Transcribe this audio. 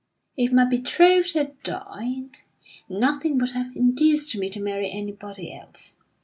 "If my betrothed had died, nothing would have induced me to marry anybody else.